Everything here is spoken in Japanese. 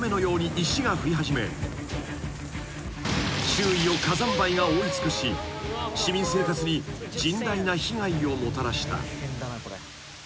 ［周囲を火山灰が覆い尽くし市民生活に甚大な被害をもたらした］